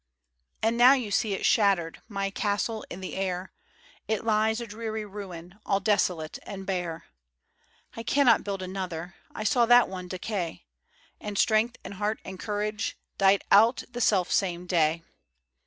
And now you see it shattered, My castle in the air: It lies a dreary ruin, All desolate and bare. I cannot build another, I saw that one decay ; And strength and heart and courage Died out the self same day.